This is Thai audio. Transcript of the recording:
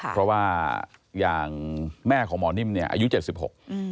เพราะว่าอย่างแม่ของหมอนิ่มเนี่ยอายุเจ็ดสิบหกอืม